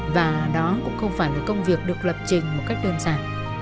và đó cũng không phải là công việc được lập trình một cách đơn giản